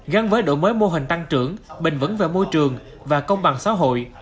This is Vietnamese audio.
gắn với đội mới mô hình tăng trưởng bền vững về môi trường và công bằng xã hội